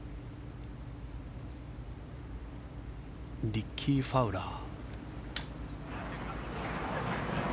リッキー・ファウラー。